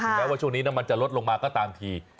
แม้ว่าช่วงนี้น้ำมันจะลดลงมาก็ตามที